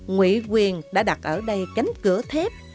nguyễn quyền đã đặt ở đây cánh cửa thép